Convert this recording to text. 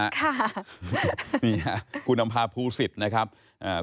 ค่ะนี่ฮะคุณอำภาภูศิษฐ์นะครับอ่า